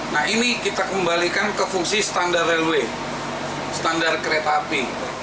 nah ini kita kembalikan ke fungsi standar railway standar kereta api